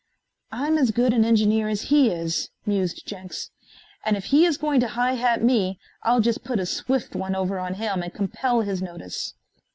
"I'm as good an engineer as he is," mused Jenks, "and if he is going to high hat me, I'll just put a swift one over on him and compel his notice."